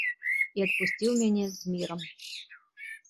І адпусціў мяне з мірам.